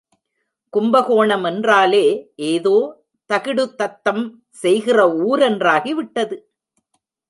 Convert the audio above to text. கும்பகோணம் என்றாலே ஏதோ தகிடுதத்தம் செய்கிற ஊர் என்றாகிவிட்டது.